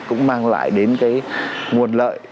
cũng mang lại đến cái nguồn lợi